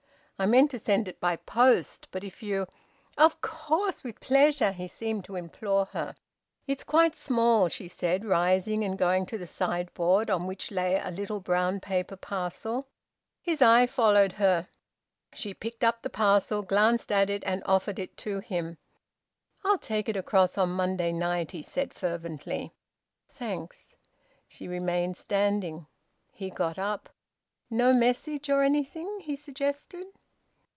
I meant to send it by post, but if you " "Of course! With pleasure!" He seemed to implore her. "It's quite small," she said, rising and going to the sideboard, on which lay a little brown paper parcel. His eye followed her. She picked up the parcel, glanced at it, and offered it to him. "I'll take it across on Monday night," he said fervently. "Thanks." She remained standing; he got up. "No message or anything?" he suggested.